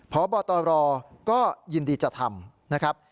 พบตรก็ยินดีจะทำนะครับ